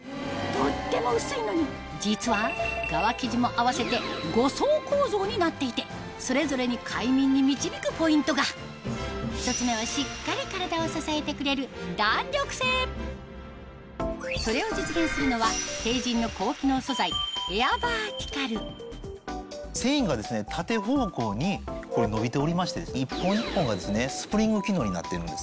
とっても薄いのに実は側生地も合わせて５層構造になっていてそれぞれに快眠に導くポイントが１つ目はそれを実現するのはＴＥＩＪＩＮの高機能素材繊維が縦方向に伸びておりまして一本一本がスプリング機能になってるんです。